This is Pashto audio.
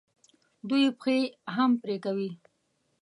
دوی پښې یې هم پرې کوي.